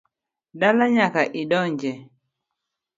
Dala nyaka idonje